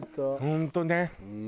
本当ね。